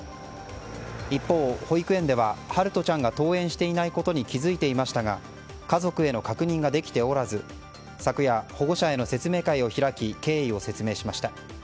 一方、保育園では陽翔ちゃんが登園していないことに気づいていましたが家族への確認ができておらず昨夜、保護者への説明会を開き経緯を説明しました。